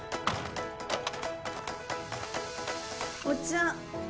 お茶